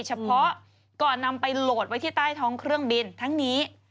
เฉพาะก่อนนำไปโหลดไว้ที่ใต้ท้องเครื่องบินทั้งนี้